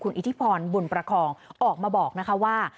คุณอิทธิพรบุญประครองออกมาบอกว่า